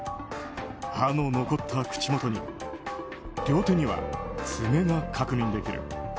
歯の残った口元に両手には爪が確認できる。